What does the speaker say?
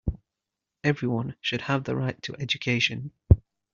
Everyone should have the right to education.